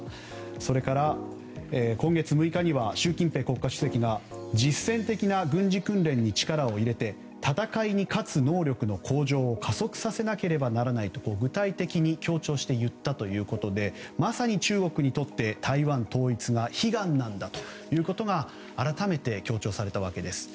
それから今月６日には習近平国家主席が実戦的な軍事訓練に力を入れて戦いに勝つ能力の向上を加速させなければならないと具体的に強調して言ったということでまさに中国にとって台湾統一が悲願ということが改めて強調されたわけです。